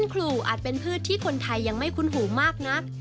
ครูอาจเป็นพืชที่คนไทยยังไม่คุ้นหูมากนัก